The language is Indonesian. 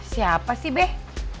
siapa sih beh